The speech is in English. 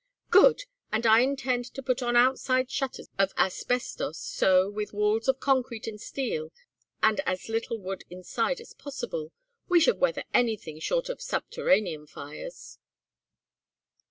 "Good! And I intend to put on outside shutters of asbestos, so, with walls of concrete and steel, and as little wood inside as possible, we should weather anything short of subterranean fires."